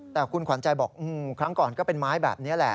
แต่คุณขวัญใจบอกครั้งก่อนก็เป็นไม้แบบนี้แหละ